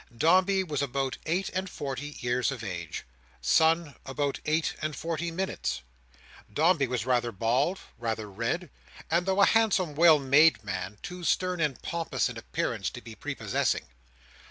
Dombey was about eight and forty years of age. Son about eight and forty minutes. Dombey was rather bald, rather red, and though a handsome well made man, too stern and pompous in appearance, to be prepossessing.